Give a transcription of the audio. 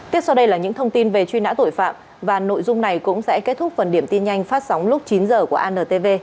tiếp sau đây là những thông tin về truy nã tội phạm và nội dung này cũng sẽ kết thúc phần điểm tin nhanh phát sóng lúc chín h của antv